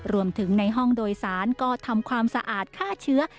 รวมถึงในห้องโดยสารก็ทำความสะอาดฆ่าเชื้อ